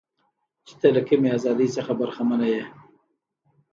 چې ته له کمې ازادۍ څخه برخمنه یې.